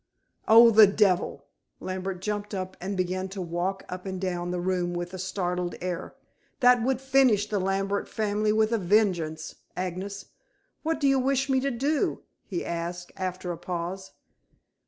"Oh, the devil!" Lambert jumped up and began to walk up and down the room with a startled air. "That would finish the Lambert family with a vengeance, Agnes. What do you wish me to do?" he asked, after a pause.